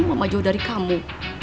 mama jauh dari kamu